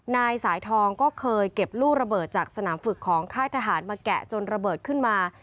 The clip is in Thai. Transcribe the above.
นายสายทองก็เคยเก็บลูกระเบิดจากสนามฝึกของค่ายทหารมาแกะจนระเบิดขึ้นมา